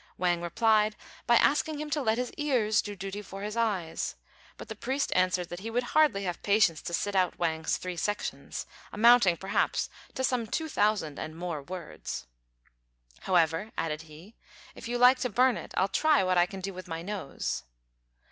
Wang replied by asking him to let his ears do duty for his eyes; but the priest answered that he would hardly have patience to sit out Wang's three sections, amounting perhaps to some two thousand and more words. "However," added he, "if you like to burn it, I'll try what I can do with my nose."